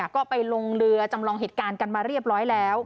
ก็ไปลงเรือจำลองเหตุการณ์กันมาเรียบร้อยแล้ว